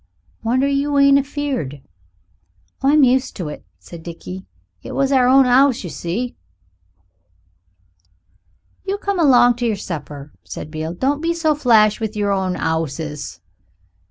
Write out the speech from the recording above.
"Wonder you ain't afeared." "I'm used to it," said Dickie; "it was our own 'ouse, you see." "You come along to yer supper," said Beale; "don't be so flash with yer own 'ouses."